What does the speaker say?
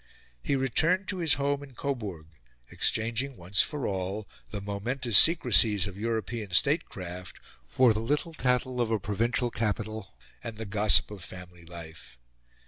He returned to his home in Coburg, exchanging, once for all, the momentous secrecies of European statecraft for the little tattle of a provincial capital and the gossip of family life.